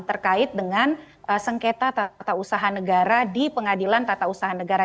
terkait dengan sengketa tata usaha negara di pengadilan tata usaha negara